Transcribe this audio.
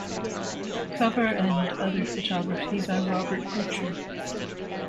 Cover and other photography by Robert Butcher.